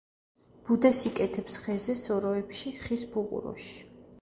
ბუდეს იკეთებს ხეზე, სოროებში, ხის ფუღუროში.